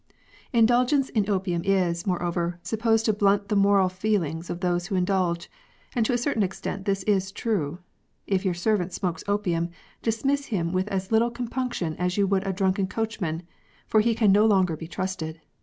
Indulgence in opium is, moreover, supposed to blunt the moral feelings of those who indulge ; and to a cer tain extent this is true. If your servant smokes opium, dismiss him with as little compunction as you would a drunken coachman ; for he can no longer be trusted.